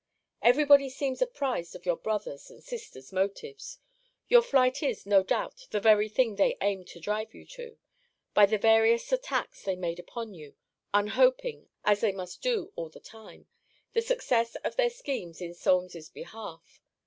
Every body seems apprized of your brother's and sister's motives. Your flight is, no doubt, the very thing they aimed to drive you to, by the various attacks they made upon you; unhoping (as they must do all the time) the success of their schemes in Solmes's behalf.